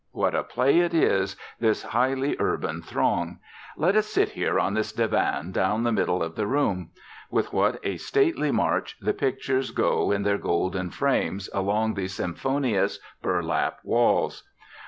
What a play it is, this highly urban throng! Let us sit here on this divan down the middle of the room. With what a stately march the pictures go in their golden frames along the symphonious, burlap walls!